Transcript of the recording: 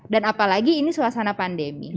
dan apalagi ini suasana pandemi